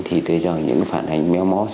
thì tôi cho những phản ánh